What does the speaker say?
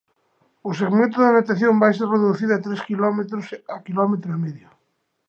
O segmento da natación vaise reducir de tres quilómetros a quilometro e medio.